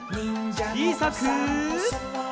ちいさく。